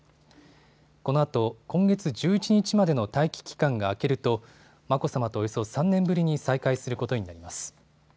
このあと今月１１日までの待機期間が明けると眞子さまとおよそ３年ぶりに再会することになります。